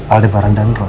aldebaran dan roy